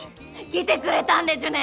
来てくれたんでちゅね！？